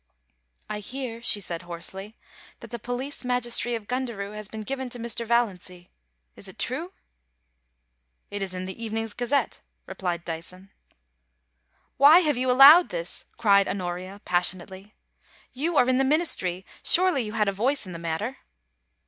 * I hear,' she said, hoarsely, * that the police magistracy of Gundaroo has been given to Mr. Valiancy. Is it true ?It is in the evening's Gazette^ replied Dyson. * \Vhy have you allowed this ? cried Honoria, passionately. ' You are in the Ministry ; surely you had a voice in the matter